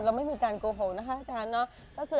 เราไม่มีการโกหกนะคะ